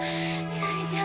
桃ちゃん